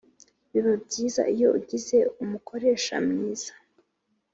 biba byiza iyo ugize umukoresha mwiza